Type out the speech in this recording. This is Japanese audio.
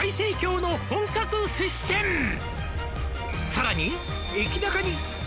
「さらに」